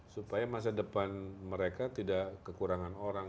supaya masa depan mereka tidak kekurangan orang